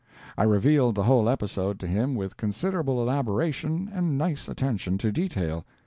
I revealed the whole episode to him with considerable elaboration and nice attention to detail.